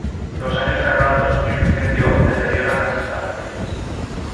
Los años cerrados y un incendio deterioran las instalaciones.